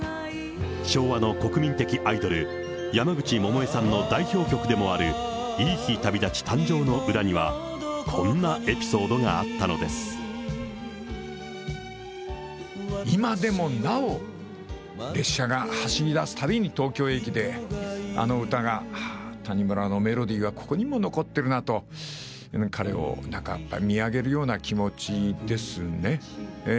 昭和の国民的アイドル、山口百恵さんの代表曲でもあるいい日旅立ち誕生の裏には、こんな今でもなお、列車が走りだすたびに、東京駅であの歌が、谷村のメロディーがここにも残ってるなと、彼をなんか、見上げるような気持ちですね。